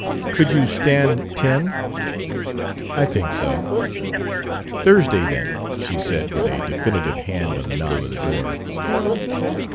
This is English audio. "Could you stand ten?" "I think so." "Thursday, then," she said, with a definitive hand on the knob of the door.